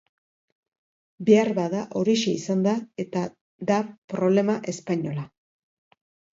Beharbada horixe izan da eta da problema espainola.